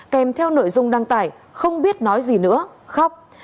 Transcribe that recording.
kèm theo nội dung đăng tải không biết nói gì nữa khóc